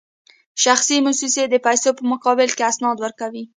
شخصي موسسې د پیسو په مقابل کې اسناد ورکوي